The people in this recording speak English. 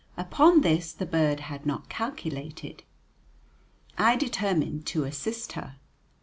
Upon this the bird had not calculated. I determined to assist her.